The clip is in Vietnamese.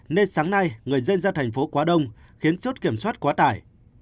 nên sáng nay người dân ra thành phố quá đông khiến chốt kiểm soát quá tải